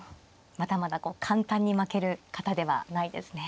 まだまだこう簡単に負ける方ではないですね。